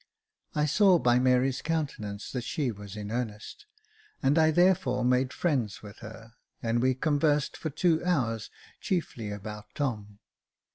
I saw by Mary's countenance that she was in earnest, and 380 Jacob Faithful I therefore made friends with her, and we conversed for two hours, chiefly about Tom.